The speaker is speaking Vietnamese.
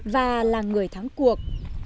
và là người thắng cuộc